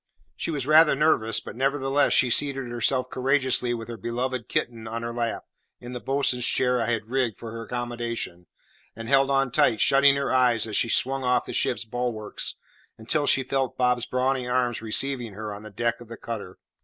She was rather nervous; but, nevertheless, she seated herself courageously with her beloved kitten in her lap, in the bo'sun's chair I had rigged for her accommodation, and held on tight, shutting her eyes as she swung off the ship's bulwarks, until she felt Bob's brawny arms receive her on the deck of the cutter.